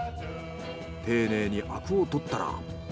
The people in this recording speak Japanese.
丁寧にアクを取ったら。